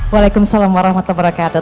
waalaikumsalam warahmatullahi wabarakatuh